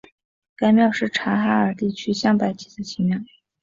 该庙是察哈尔地区镶白旗的旗庙。